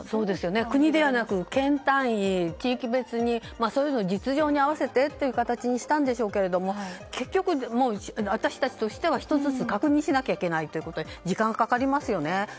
国ではなく県単位、地域別でそれぞれの実情に合わせてという形にしたんでしょうけど結局、私たちとしては一つずつ確認しなきゃいけないということで時間がかかりますよね。